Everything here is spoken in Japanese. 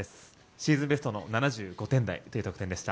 シーズンベストの７５点台という得点でした。